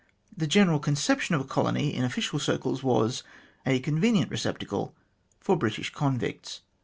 The general conception of a colony in official circles was a convenient receptacle I for British convicts.